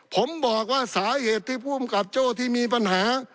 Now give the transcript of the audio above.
ผมบอกว่าสาเหตุที่ภูมิกับโจ้ที่มีปัญหา